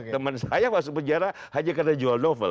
teman saya masuk penjara hanya karena jual novel